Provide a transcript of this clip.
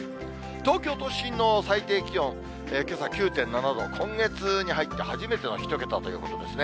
東京都心の最低気温、けさ９．７度、今月に入って初めての１桁ということですね。